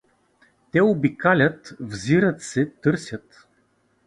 Те обикалят, взират се, търсят.